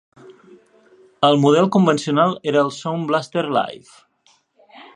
El model convencional era el Sound Blaster Live!